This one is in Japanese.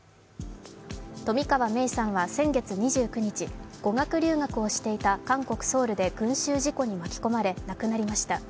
冨川芽生さんは先月２９日語学留学をしていた韓国ソウルで群集事故に巻き込まれ亡くなりました。